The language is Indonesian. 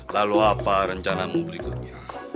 lalu apa rencanamu berikutnya